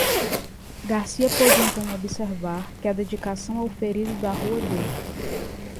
Garcia pôde então observar que a dedicação ao ferido da rua D.